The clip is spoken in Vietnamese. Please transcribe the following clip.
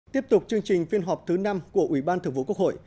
tiếp tục chương trình phiên họp thứ năm của ủy ban thường vụ quốc hội